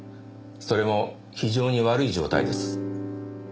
それも非常に悪い状態です。